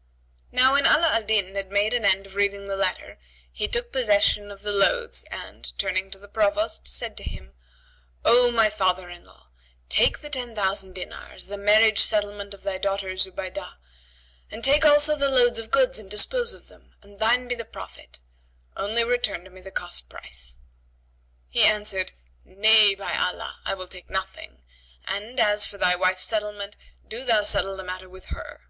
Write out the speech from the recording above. "[FN#75] Now when Ala al Din had made an end of reading the letter, he took possession of the loads and, turning to the Provost, said to him, "O my father in law, take the ten thousand dinars, the marriage settlement of thy daughter Zubaydah, and take also the loads of goods and dispose of them, and thine be the profit; only return me the cost price." He answered, "Nay, by Allah, I will take nothing; and, as for thy wife's settlement, do thou settle the matter with her."